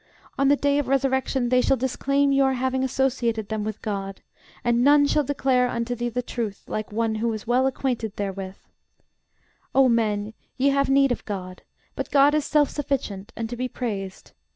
On the day of resurrection they shall disclaim your having associated them with God: and none shall declare unto thee the truth, like one who is well acquainted therewith. O men, ye have need of GOD; but GOD is self sufficient, and to be praised.